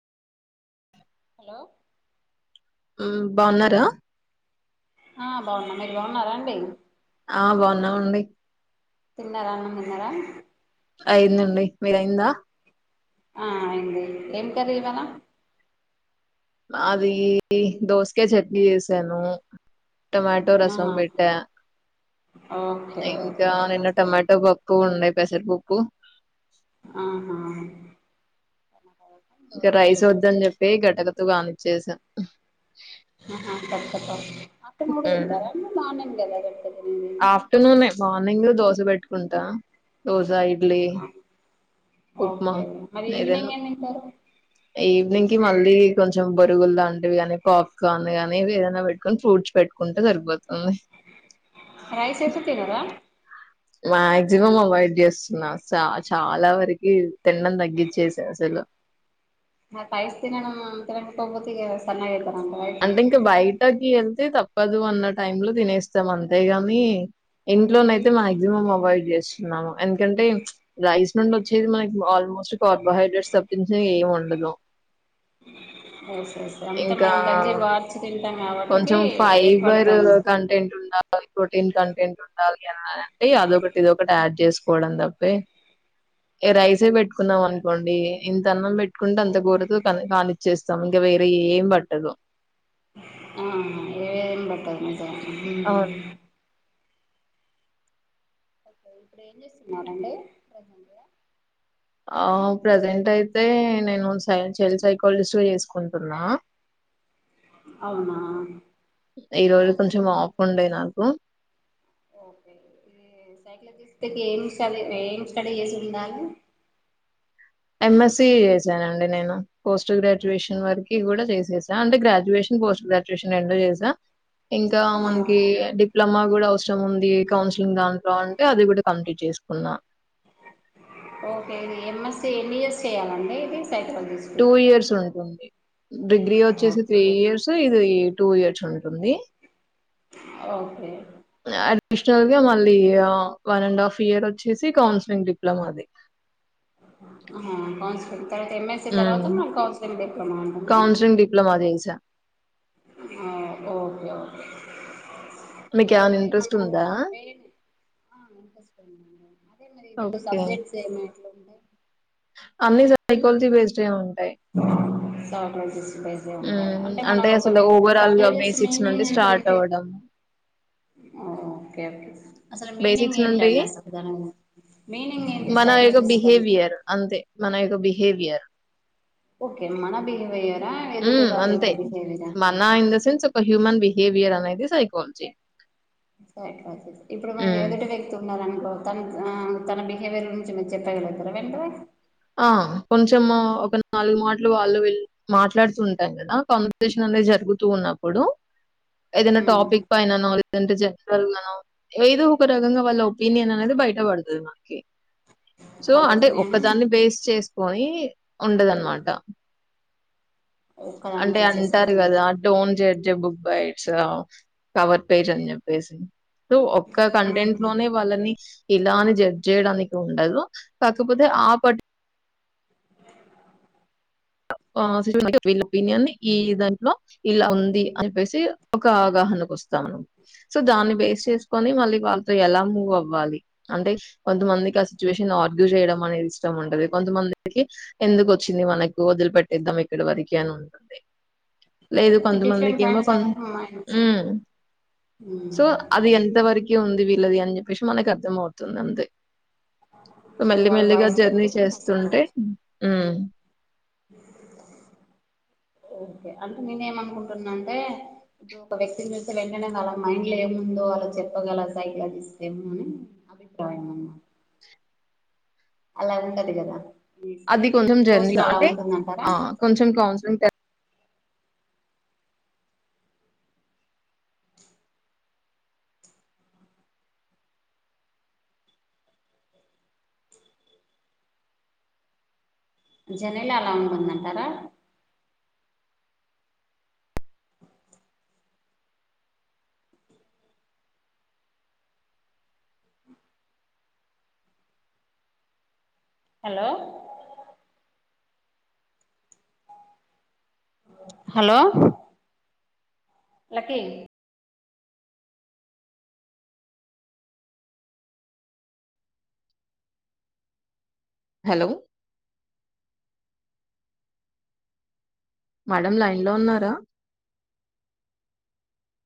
Hello మ్ బన్నారా ఆ బాగున్నా మీరు బాగున్నారా అండి ఆ బన్నా మండి తిన్నార అన్నం తిన్నార అయిందండి మీదయిందా ఆ అయింది ఏం కర్రీ ఇవాల మాదీ దోసకాయి చట్నీ చేసాను టొమాటో రసం ఆహా పెట్ట ఓకే ఇంకా ఓకే నిన్న దోసకాయ. టమాటో పప్ పు ఉండే పెసర్పపు అ హా ఇంక రైస్ ఒదని చెప్పి గటకతో కానిచ్చేసా అహ పప్పప్ప ఆఫ్టేర్నూన్ కూడా తింటారా అండి మార్నింగ్ కదా తినేది ఆఫ్టేర్నూనే మార్నింగ్ దోస పెట్టుకుంటా దోస ఇ డ్లీ ఉప్మా ఓకే మరి ఏదన ఈవినింగ్ ఏం తింటారు ఈవినింగ్ కి మళ్ళీ కొంచెం బొరుగులు లాంటివిగానీ పాప్కార్న్ గని ఏదైనా పెట్టుకొని ఫ్రూట్స్ పెట్టుకుంటే సరి పోతుంది రైస్ అయితే తిన్నారా మాక్సిమం అవాయిడ్ చేస్తున్నా స చాలా వరికి తిండం తగిచ్చేసా అసలు నాకి ఐస్ తినడం తినకబోతే ఇగ సన్నగా అయిత్ అంటే ఇంకా బయటకీయన్ తప్పదు అన్న టైములో తినేస్తాం అంతేగాని ఇంట్లోనయితే మాక్సిమం అవాయిడ్ చే స్తున్నాము ఎందుకంటే రైస్ నుండి వచ్చేది మనకి ఆల్మోస్ట్ కార్బోహైడ్రేట్స్ తపించి ఏం ఉండదు [inaudible] ఓస్ ఓస్ అంత ఇంకా మనం గంజె వార్చి తిం కొంచెం ఫైబర్ కంటెంట్ ఉండాలి ప్రోటీన్ కంటెంట్ ఉండాలి అంటే అదొకటి ఇదొకటి యాడ్ చేసుకోవడం తప్పే ఈ రైసే పెట్టుకున్నాం అనుకొండి ఇంత అన్నం పెట్టుకుంటే అంత కూరతో కా కానిచ్చేస్తాం వేరె ఏం పట్టదు ఆహ్ ఏం బట్టదు నిజమే అవును ఉమ్ ఓకే ఇప్పుడు ఏం చేస్తున్నారండి ప్రెసెంటు ఆ ప్రజెంట్ అయితే నేను సై చైల్డ్ సైకాలజిస్ట్ గా చేసుకుంటున్నా అవునా ఈరోజు కొంచెం హాఫ్ ఉండే నాకు ఓకే ఇది సైకోలోజిస్ట్ కి ఎమ్ స్టడీ ఎమ్ స్టడీ చేసుండాలి ఎంఎస్సి చేసానండి నేను పోస్ట్ గ్రాడ్యుయేషన్ వరకి గూడా చేసేసా అంటే గ్రాడ్యుయేషన్ పోస్ట్ గ్రాడ్యుయేషన్ రెండు చేసా ఇంకా ఆ మనకి డిప్లమా గుడ అవసరం ఉంది కౌన్సిలింగ్ దాంట్లో అంటే అది గూడా కంప్లీట్ చేసుకున్నా ఓకే ఇది ఎంఎస్సి ఎన్ని ఇయర్స్ చేయాలండి ఇది సైకలాజిస్ట్కి టూ ఇయర్స్ ఉంటుంది డిగ్రీ వచ్చేసి త్రీ ఇయర్స్ ఇది టూ ఇయర్స్ ఉంటుంది ఓకే ష్టల్గా మళ్ళీ వ వన్ అండ్ హాఫ్ ఇయర్ ఒచ్చేసి కౌన్సిలింగ్ డిప్లొమాది అహ కౌన్సిలిన్ తర్వత ఎంఎస్సి తర్వాత మనం కౌన్సిలింగ్ డిప్లొమా అంటన్న కౌన్సిలింగ్ డిప్లొమా చేసా అహ్ ఓకే ఓకే మీకు మరి ఏమన్న ఇందులో ఇంట్రెస్ట్ ఏమన్నా ఉందా వేరే ఆ ఇంట్రెస్ట్ ఉందండి అదే మరి ఇప్పుడు ఓకే సబ్జెక్ట్స్ ఏమి ఎట్లుంటయ్ అన్ని సైకోలజీ బెస్డే ఉన్ సైకొలజి ఉమ్, అంటే మనం అసలు ఒకటి ఓవరాల్ గా సైకోలోజిస్ బేసిక్స్ నుండి మీనింగ్ స్టార్ట్ ఎంటంటే అవ్వడం ఓ ఓకే ఓకే అసలు మీనింగ్ బేసిక్స్ నుండి ఏంటండి అసల్ దాని మీనింగ్ ఏంటి మన యొక్క సైకలజిస్ట్ అంటే బిహేవియర్ అంతే మన యొక్క బిహేవియర్ ఓకే మన బిహేవియర్ మ్ అంతే మన ఇన్ ద సెన్స్ ఒక హ్యూమన్ బిహేవియర్ అనేది సైకొలజీ సైకొలొజిస్ట్ ఇప్పుడు మన ఎదుటి వ్యక్తి ఉన్నరనుకో తన అహ్ తన బిహేవియర్ గురించి మీరు చెప్పగలుగుతారా వెంటనే ఆహ్ హ కొంచెం ఒక నాలుగు మాట్లు వాళ్ళు విళ్ళు మాట్లాడుతూ ఉంటరు గదా కాన్వర్సేషన్ అన్ జరుగుతూ ఉన్నప్పుడు ఏదైనా మ్మ్ టాపిక్ పైననొ లేదంటే జనరల్ గనో ఏదో ఒక రకంగా వాళ్ళ ఒపీనియన్ అనేది బయట పడతది మనకి సో వాళ్ళ అంటే ఒపీనియన్ ఒక్క దాన్ని బేస్ చేసుకొని ఉండదనమాట ఒక్కదాని అంటే బేస్ చేసుకొని అంటారు గదా ఉండాలి don't judge a book by its cover page అని చెప్పేసి సొ ఒక్క కంటెంట్ లోనే వాళ్ళని ఇలా అని జడ్జ్ చేయడానికి ఉండదు కాకపోతే ఆ పటి [inaudible] వీళ్ళ ఒపీనియన్ ని ఈ దాంట్లో ఇలా ఉంది అని చెప్పేసి ఒక అవగాహనకు వస్త సొ దాన్ని బేస్ చేసుకొని మళ్ళీ వాళ్ళతో ఎలా మూవ్ అవ్వాలి అంటే కొంతమంది ట్ల సిచ్యువేషన్ ఆర్గ్యూ జేయడం అనేది ఇష్టం ఉంటది కొంతమందికి ఎందుకు వచ్చింది మనకి ఒదిలి పెట్టిద్దాం ఇక్కడి వరికే అని ఉంటుంది లేదు డిఫరెంట్ కొంతమందికెమో కైండ్స్ కొన్ of minds um hmm so అది ఎంత వరకి ఉంది వీళ్ళది అని జేప్పేశి మనకి అర్థంమవుతుందంతే మెల్లి వాళ్ళ మెల్లిగా వాయిస్ బట్టి జర్నీ మనం చేస్తుంటే తీసుకోవచ్చు ఉహ్ ఓకే అంటే నేనేమనుకుంటున్నా అంటే ఇప్పుడు ఒక వ్యక్తిని చూస్తే వెంటనే వాళ్ళ మైండ్ లో ఏముందో దొ చెప్పగల సైకలజిస్ట్ ఎమ్ అభిప్రాయం అనమట అలా ఉంటది గద అది కొంచెం జర్నీ అంటే అహ్ కొంచెం కౌన్సిలింగ్ టై జేనేలాలో ఉంనునంన్టారా hello hello lucky hello madam line లో ఉన్నారా